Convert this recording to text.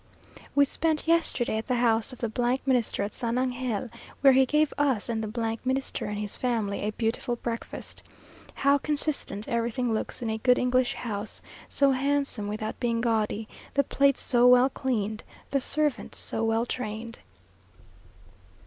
We spent yesterday at the house of the Minister at San Angel, where he gave us and the Minister and his family a beautiful breakfast. How consistent everything looks in a good English house! so handsome without being gaudy the plate so well cleaned, the servants so well trained.